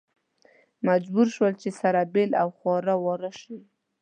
مجبور شول چې سره بېل او خواره واره شي.